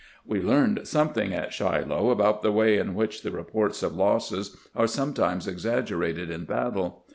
" We learned something at ShUoh about the way in which the reports of losses are sometimes exaggerated in battle.